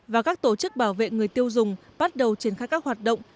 và các tổ chức bảo vệ người tiêu dùng bắt đầu triển khai các hoạt động